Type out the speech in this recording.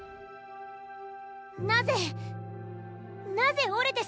なぜなぜ折れてしまったんだ。